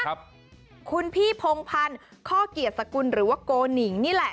คุณพี่พงพันธ์ข้อเกียรติสกุลหรือว่าโกหนิงนี่แหละ